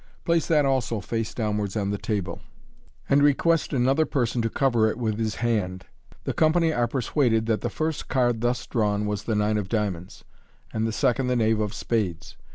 Place that also face downwards on the table, and request another person to cover it with his band. The company are persuaded that the first card thus drawn was the nine of diamonds, and the second the knave of spades.